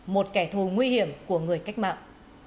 một kẻ thù nguy hiểm của người cách mạng